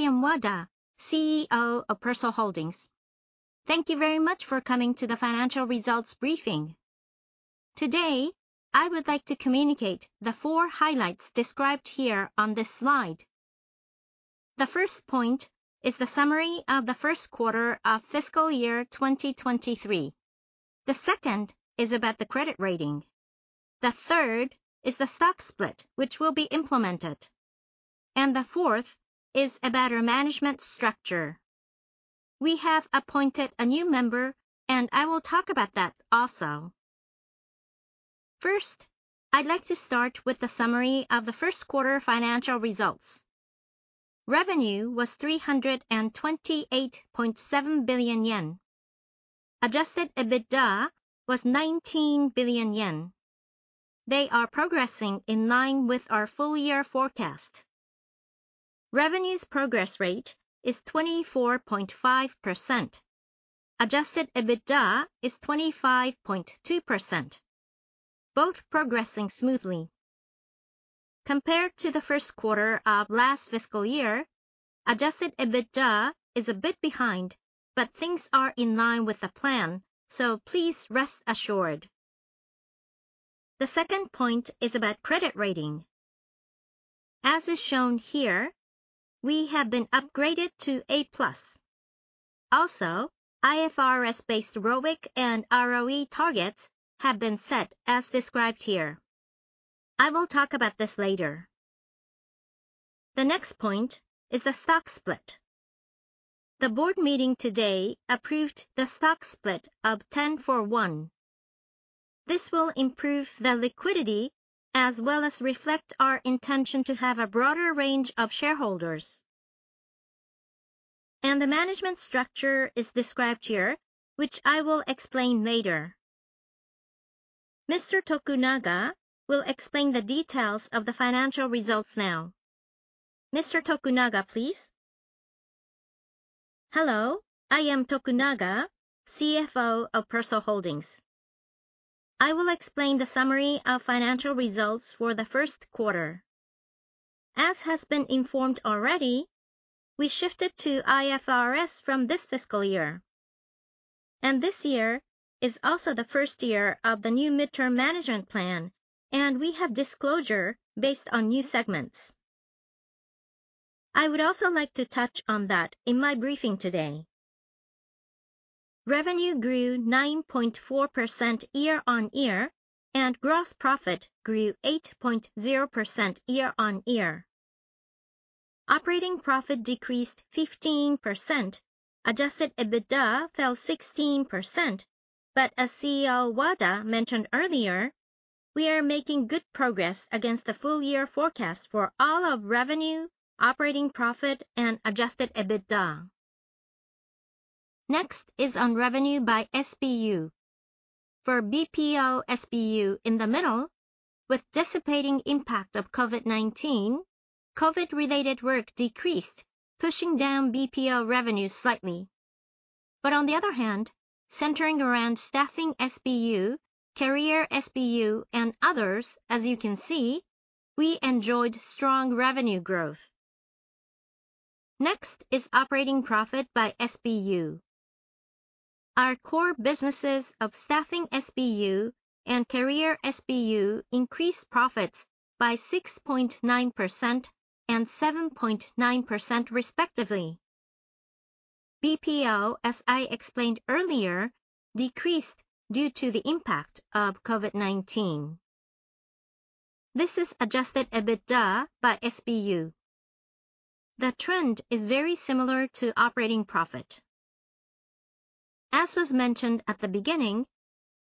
Hello, I am Wada, CEO of Persol Holdings. Thank you very much for coming to the financial results briefing. Today, I would like to communicate the four highlights described here on this slide. The first point is the summary of the first quarter of fiscal year 2023. The second is about the credit rating. The third is the stock split, which will be implemented. The fourth is about our management structure. We have appointed a new member, and I will talk about that also. First, I'd like to start with the summary of the first quarter financial results. Revenue was 328.7 billion yen. Adjusted EBITDA was 19 billion yen. They are progressing in line with our full year forecast. Revenue's progress rate is 24.5%. Adjusted EBITDA is 25.2%, both progressing smoothly. Compared to the first quarter of last fiscal year, adjusted EBITDA is a bit behind, but things are in line with the plan, so please rest assured. The second point is about credit rating. As is shown here, we have been upgraded to A+. IFRS-based ROIC and ROE targets have been set as described here. I will talk about this later. The next point is the stock split. The board meeting today approved the stock split of 10 for 1. This will improve the liquidity, as well as reflect our intention to have a broader range of shareholders. The management structure is described here, which I will explater. Mr. Tokunaga will explain the details of the financial results now. Mr. Tokunaga, please. Hello, I am Tokunaga, CFO of Persol Holdings. I will explain the summary of financial results for the first quarter. As has been informed already, we shifted to IFRS from this fiscal year. This year is also the first year of the new midterm management plan. We have disclosure based on new segments. I would also like to touch on that in my briefing today. Revenue grew 9.4% year-over-year. Gross profit grew 8.0% year-over-year. Operating profit decreased 15%. Adjusted EBITDA fell 16%. As CEO Wada mentioned earlier, we are making good progress against the full year forecast for all of revenue, operating profit, and adjusted EBITDA. Next is on revenue by SBU. For BPO SBU in the middle, with dissipating impact of COVID-19, COVID-related work decreased, pushing down BPO revenue slightly. On the other hand, centering around Staffing SBU, Career SBU, and others, as you can see, we enjoyed strong revenue growth. Next is operating profit by SBU. Our core businesses of Staffing SBU and Career SBU increased profits by 6.9% and 7.9% respectively. BPO, as I explained earlier, decreased due to the impact of COVID-19. This is adjusted EBITDA by SBU. The trend is very similar to operating profit. As was mentioned at the beginning,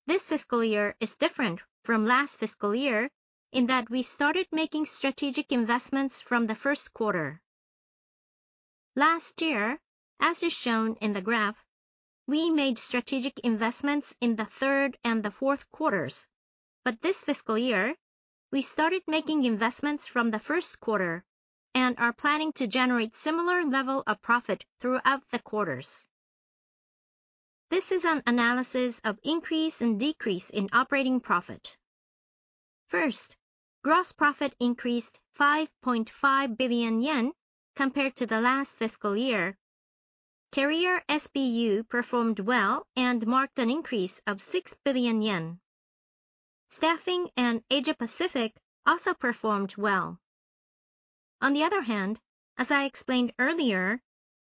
this fiscal year is different from last fiscal year in that we started making strategic investments from the first quarter. Last year, as is shown in the graph, we made strategic investments in the third and the fourth quarters, but this fiscal year, we started making investments from the first quarter and are planning to generate similar level of profit throughout the quarters. This is an analysis of increase and decrease in operating profit. First, gross profit increased 5.5 billion yen compared to the last fiscal year. Career SBU performed well and marked an increase of 6 billion yen. Staffing and Asia Pacific also performed well. On the other hand, as I explained earlier,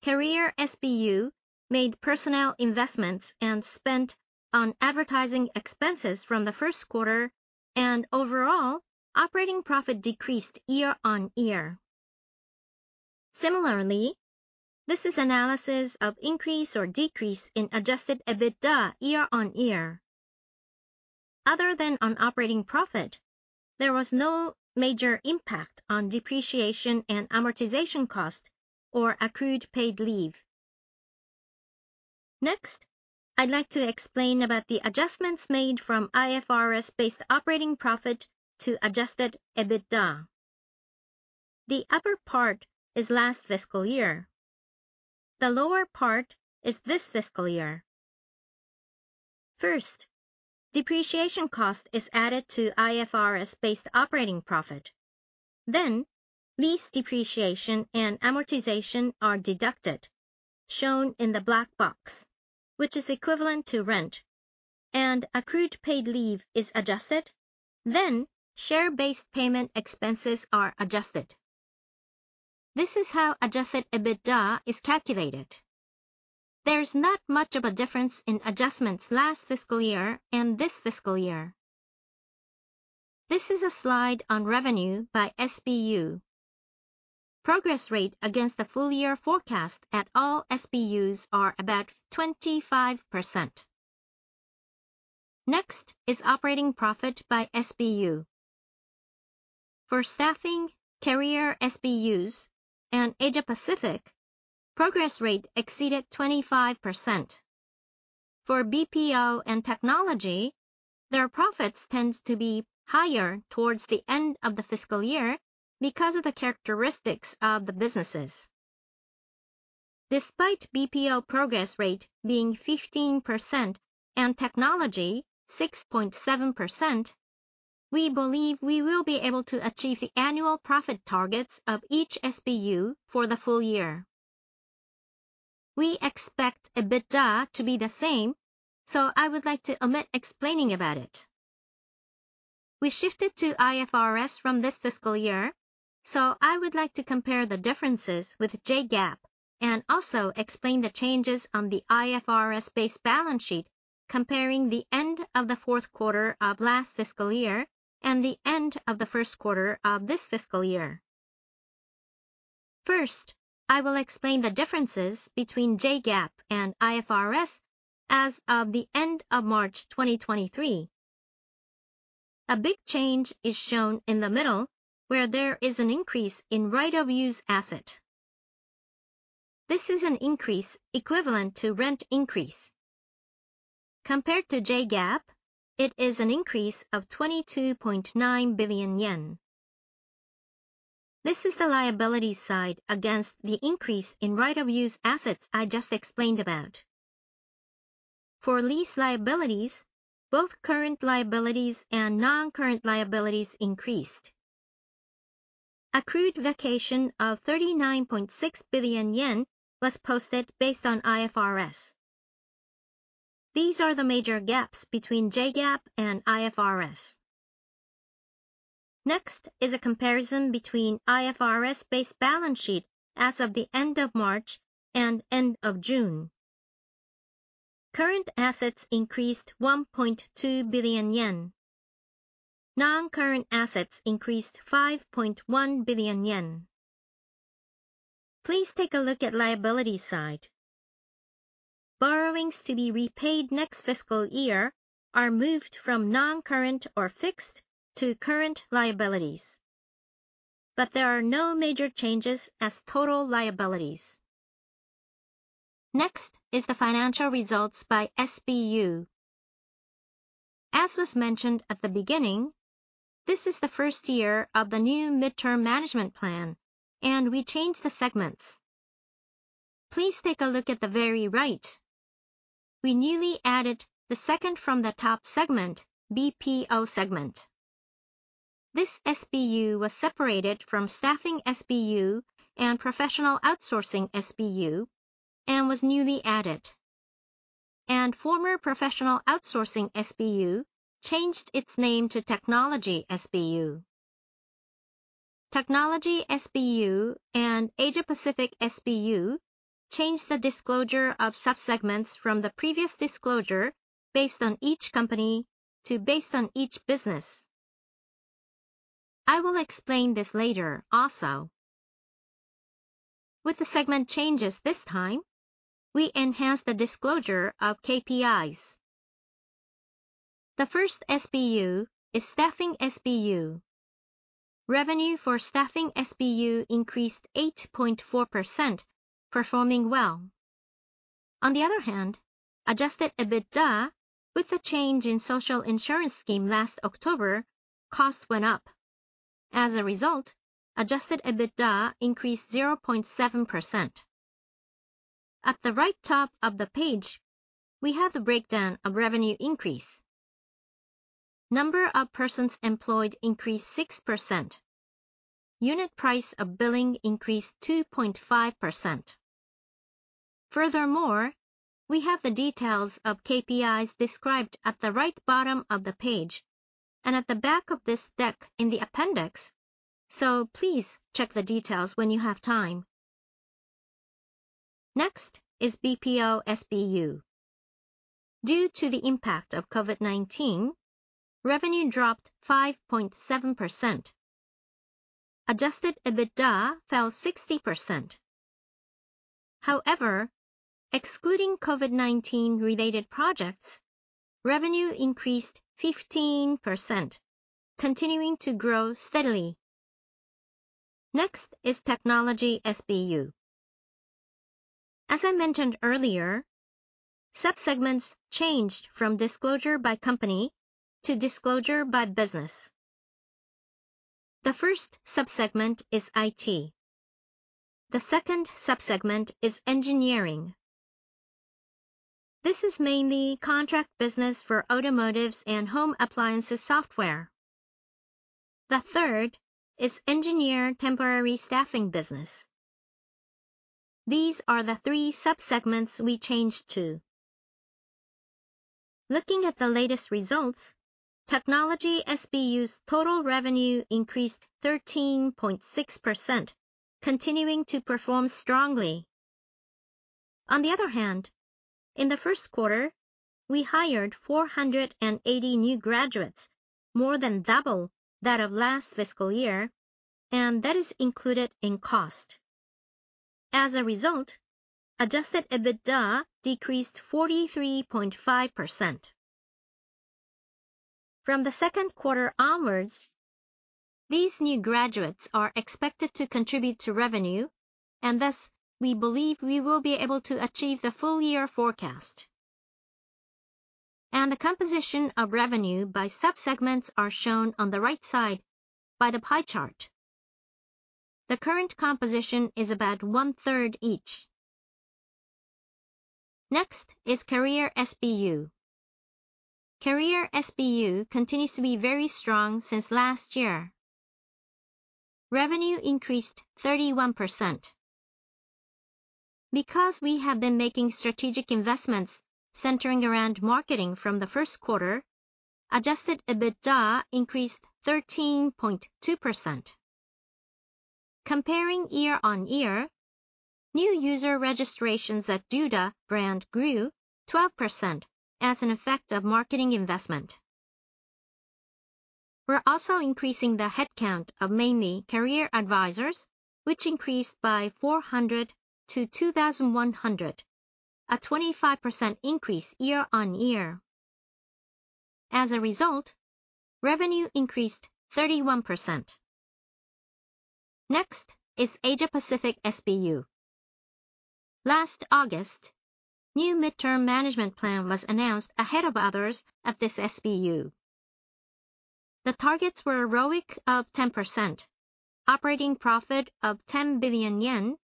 Career SBU made personnel investments and spent on advertising expenses from the first quarter, and overall, operating profit decreased year-on-year. Similarly, this is analysis of increase or decrease in adjusted EBITDA year-on-year. Other than on operating profit, there was no major impact on depreciation and amortization cost or accrued paid leave. Next, I'd like to explain about the adjustments made from IFRS-based operating profit to adjusted EBITDA. The upper part is last fiscal year. The lower part is this fiscal year, first, depreciation cost is added to IFRS-based operating profit. Lease depreciation and amortization are deducted, shown in the black box, which is equivalent to rent, and accrued paid leave is adjusted. Share-based payment expenses are adjusted. This is how adjusted EBITDA is calculated. There's not much of a difference in adjustments last fiscal year and this fiscal year. This is a slide on revenue by SBU. Progress rate against the full year forecast at all SBUs are about 25%. Operating profit by SBU. For Staffing, Career SBUs, and Asia Pacific, progress rate exceeded 25%. For BPO and Technology, their profits tends to be higher towards the end of the fiscal year because of the characteristics of the businesses. Despite BPO progress rate being 15% and Technology 6.7%, we believe we will be able to achieve the annual profit targets of each SBU for the full year. We expect EBITDA to be the same, I would like to omit explaining about it. We shifted to IFRS from this fiscal year. I would like to compare the differences with JGAAP and also explain the changes on the IFRS-based balance sheet, comparing the end of the fourth quarter of last fiscal year and the end of the first quarter of this fiscal year. First, I will explain the differences between JGAAP and IFRS as of the end of March 2023. A big change is shown in the middle, where there is an increase in right-of-use asset. This is an increase equivalent to rent increase. Compared to JGAAP, it is an increase of 22.9 billion yen. This is the liability side against the increase in right-of-use assets I just explained about. For lease liabilities, both current liabilities and non-current liabilities increased. Accrued vacation of 39.6 billion yen was posted based on IFRS. These are the major gaps between JGAAP and IFRS. Next is a comparison between IFRS-based balance sheet as of the end of March and end of June. Current assets increased 1.2 billion yen. Non-current assets increased 5.1 billion yen. Please take a look at liability side. Borrowings to be repaid next fiscal year are moved from non-current or fixed to current liabilities, there are no major changes as total liabilities. Next is the financial results by SBU. As was mentioned at the beginning, this is the first year of the new midterm management plan, we changed the segments. Please take a look at the very right. We newly added the second from the top segment, BPO segment. This SBU was separated from Staffing SBU and Professional Outsourcing SBU and was newly added. Former Professional Outsourcing SBU changed its name to Technology SBU. Technology SBU and Asia Pacific SBU changed the disclosure of sub-segments from the previous disclosure based on each company to based on each business. I will explain this later also. With the segment changes this time, we enhanced the disclosure of KPIs. The first SBU is Staffing SBU. Revenue for Staffing SBU increased 8.4%, performing well. On the other hand, adjusted EBITDA, with the change in social insurance scheme last October, cost went up. As a result, adjusted EBITDA increased 0.7%. At the right top of the page, we have the breakdown of revenue increase. Number of persons employed increased 6%. Unit price of billing increased 2.5%. Furthermore, we have the details of KPIs described at the right bottom of the page and at the back of this deck in the appendix. Please check the details when you have time. Next is BPO SBU. Due to the impact of COVID-19, revenue dropped 5.7%. Adjusted EBITDA fell 60%. However, excluding COVID-19-related projects, revenue increased 15%, continuing to grow steadily. Next is Technology SBU. As I mentioned earlier, sub-segments changed from disclosure by company to disclosure by business. The first subsegment is IT. The second subsegment is engineering. This is mainly contract business for automotives and home appliances software. The third is engineer temporary staffing business. These are the three subsegments we changed to. Looking at the latest results, Technology SBU's total revenue increased 13.6%, continuing to perform strongly. On the other hand, in the first quarter, we hired 480 new graduates, more than double that of last fiscal year, and that is included in cost. As a result, adjusted EBITDA decreased 43.5%. From the second quarter onwards, these new graduates are expected to contribute to revenue, and thus, we believe we will be able to achieve the full year forecast. The composition of revenue by subsegments are shown on the right side by the pie chart. The current composition is about one-third each. Next is Career SBU. Career SBU continues to be very strong since last year. Revenue increased 31%. Because we have been making strategic investments centering around marketing from the first quarter, adjusted EBITDA increased 13.2%. Comparing year on year, new user registrations at doda brand grew 12% as an effect of marketing investment. We're also increasing the headcount of mainly career advisors, which increased by 400 to 2,100, a 25% increase year on year. As a result, revenue increased 31%. Next is Asia Pacific SBU. Last August, new midterm management plan was announced ahead of others at this SBU. The targets were ROIC of 10%, operating profit of 10 billion yen,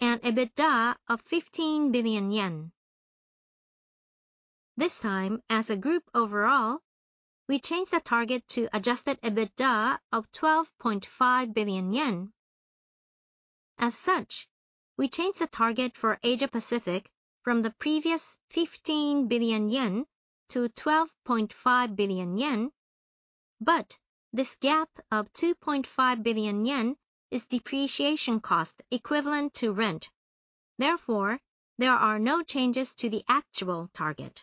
and EBITDA of 15 billion yen. This time, as a group overall, we changed the target to adjusted EBITDA of 12.5 billion yen. As such, we changed the target for Asia Pacific from the previous 15 billion yen to 12.5 billion yen, but this gap of 2.5 billion yen is depreciation cost equivalent to rent. Therefore, there are no changes to the actual target.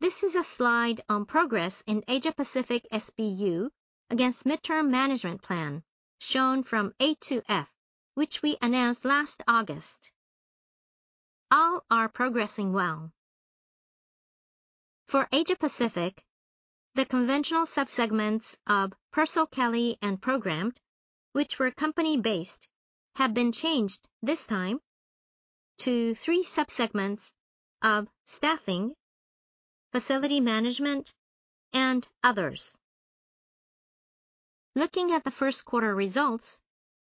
This is a slide on progress in Asia Pacific SBU against midterm management plan, shown from A to F, which we announced last August. All are progressing well. For Asia Pacific, the conventional subsegments of Persol Kelly and Programmed, which were company-based, have been changed this time to three subsegments of staffing, facility management, and others. Looking at the first quarter results,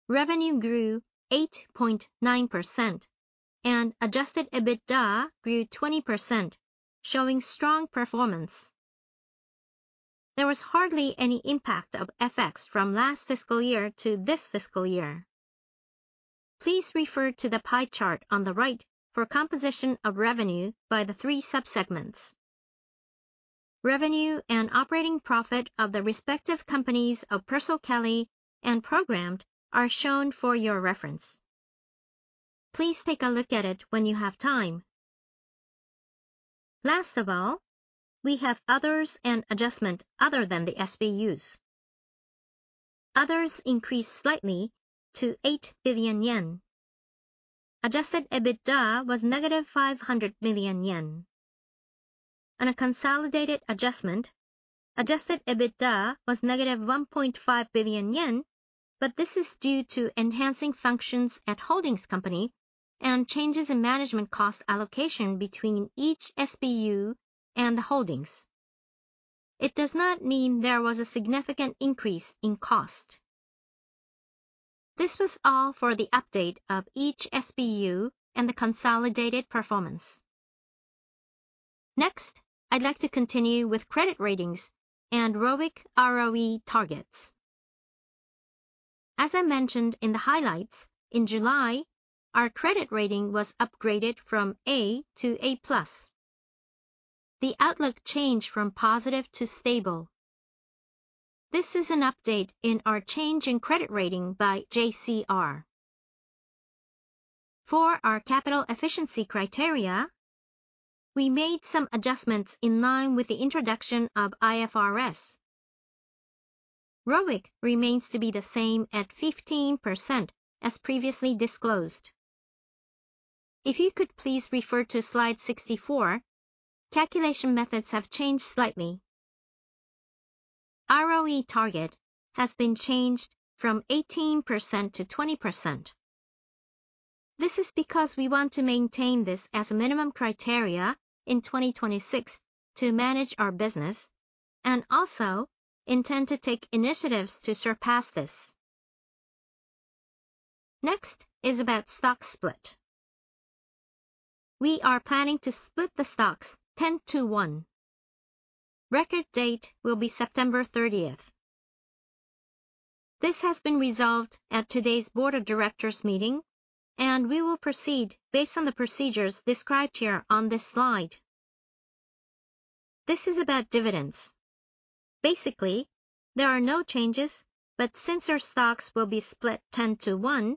revenue grew 8.9% and adjusted EBITDA grew 20%, showing strong performance. There was hardly any impact of FX from last fiscal year to this fiscal year. Please refer to the pie chart on the right for composition of revenue by the three subsegments. Revenue and operating profit of the respective companies of Persol Kelly and Programmed are shown for your reference. Please take a look at it when you have time. Last of all, we have others and adjustment other than the SBUs. Others increased slightly to 8 billion yen. Adjusted EBITDA was negative 500 million yen. On a consolidated adjustment, adjusted EBITDA was negative 1.5 billion yen, this is due to enhancing functions at holdings company and changes in management cost allocation between each SBU and the Holdings. It does not mean there was a significant increase in cost. This was all for the update of each SBU and the consolidated performance. Next, I'd like to continue with credit ratings and ROIC/ROE targets. As I mentioned in the highlights, in July, our credit rating was upgraded from A to A+. The outlook changed from positive to stable. This is an update in our change in credit rating by JCR. For our capital efficiency criteria, we made some adjustments in line with the introduction of IFRS. ROIC remains to be the same at 15% as previously disclosed. If you could please refer to slide 64, calculation methods have changed slightly. ROE target has been changed from 18% to 20%. This is because we want to maintain this as a minimum criteria in 2026 to manage our business and also intend to take initiatives to surpass this. Next is about stock split. We are planning to split the stocks 10 to 1. Record date will be September thirtieth. This has been resolved at today's Board of Directors meeting, and we will proceed based on the procedures described here on this slide. This is about dividends. Basically, there are no changes, but since our stocks will be split 10 to 1,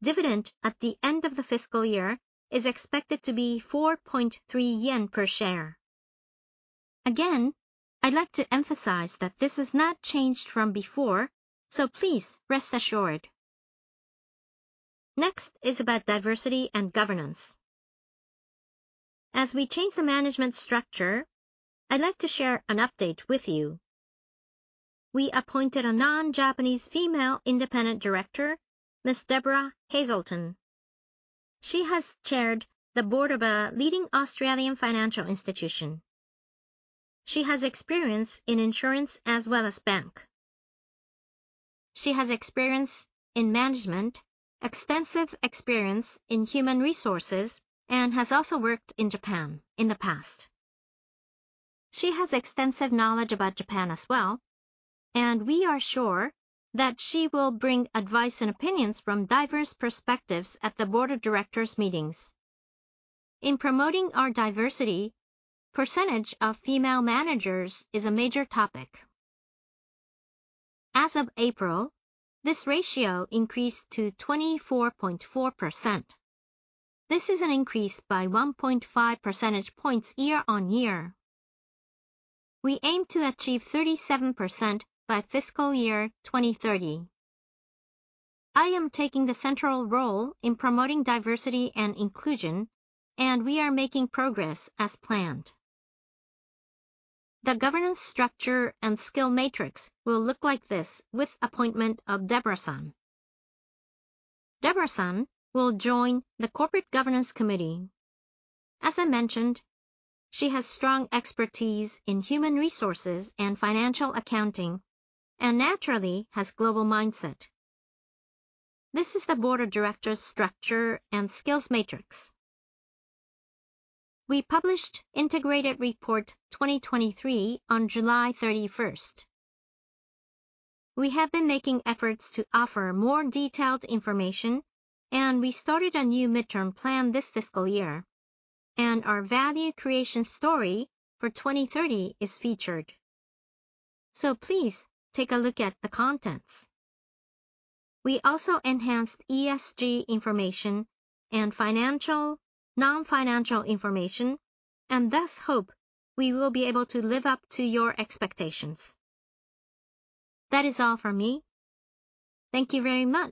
dividend at the end of the fiscal year is expected to be 4.3 yen per share. Again, I'd like to emphasize that this has not changed from before, so please rest assured. Next is about diversity and governance. As we change the management structure, I'd like to share an update with you. We appointed a non-Japanese female independent director, Ms. Deborah Hazelton. She has chaired the board of a leading Australian financial institution. She has experience in insurance as well as bank. She has experience in management, extensive experience in human resources, and has also worked in Japan in the past. She has extensive knowledge about Japan as well, and we are sure that she will bring advice and opinions from diverse perspectives at the Board of Directors meetings. In promoting our diversity, percentage of female managers is a major topic. As of April, this ratio increased to 24.4%. This is an increase by 1.5 percentage points year-on-year. We aim to achieve 37% by fiscal year 2030. I am taking the central role in promoting diversity and inclusion, and we are making progress as planned. The governance structure and skill matrix will look like this with appointment of Deborah-san. Deborah-san will join the Corporate Governance Committee. As I mentioned, she has strong expertise in human resources and financial accounting and naturally has global mindset. This is the Board of Directors' structure and skills matrix. We published Integrated Report 2023 on July 31st. We have been making efforts to offer more detailed information, and we started a new midterm plan this fiscal year, and our value creation story for 2030 is featured. Please take a look at the contents. We also enhanced ESG information and financial, non-financial information, and thus hope we will be able to live up to your expectations. That is all for me. Thank you very much!